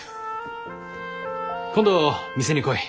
今度店に来い。